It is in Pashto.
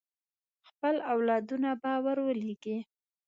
خپل اولادونه به ور ولېږي.